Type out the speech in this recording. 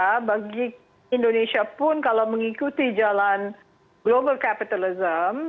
jadi ini yang harus dipertanda bagi indonesia pun kalau mengikuti jalan global kapitalisme